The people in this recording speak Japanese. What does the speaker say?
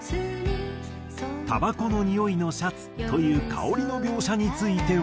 「煙草の匂いのシャツ」という香りの描写については。